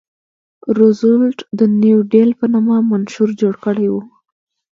روزولټ د نیو ډیل په نامه منشور جوړ کړی و.